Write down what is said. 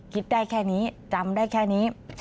คิดได้แค่นี้จำได้แค่นี้